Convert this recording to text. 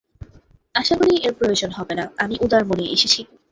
আশা করি এর প্রয়োজন হবে না, আমি উদার মনে এসেছি।